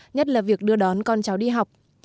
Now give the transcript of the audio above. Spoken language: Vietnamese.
nhất là việc đưa đón con cháu đi học